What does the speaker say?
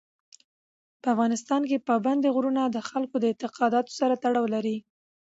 په افغانستان کې پابندی غرونه د خلکو د اعتقاداتو سره تړاو لري.